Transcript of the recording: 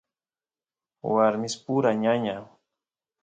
warmispura ñaña